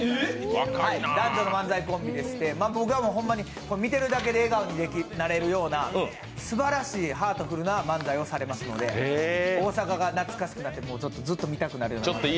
男女の漫才コンビでして僕はホンマに見てるだけで笑顔になれるようなすばらしいハートフルな漫才をされますので大阪が懐かしくなってずっと見たくなるような。